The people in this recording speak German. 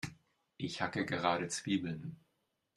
Ich hacke gerade Zwiebeln.